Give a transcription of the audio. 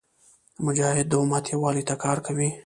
مجاهد د امت یووالي ته کار کوي.